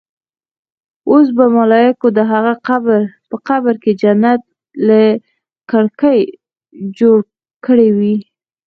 اوس به ملايکو د هغه په قبر کې جنت له کړکۍ جوړ کړې وي.